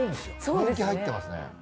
年季入ってますね。